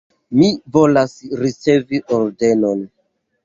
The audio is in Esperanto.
Mi volas ricevi ordenon.